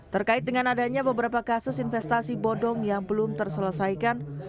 terkait dengan adanya beberapa kasus investasi bodong yang belum terselesaikan